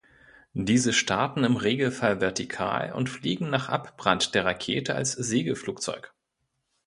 Diese starten im Regelfall vertikal und fliegen nach Abbrand der Rakete als Segelflugzeug.